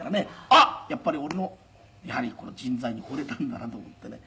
「あっやっぱり俺のやはり人材にほれたんだなと思ってね